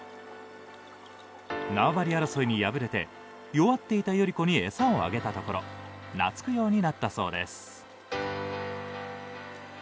縄張り争いに敗れて弱っていた頼子に餌をあげたところ懐くようになったそうです。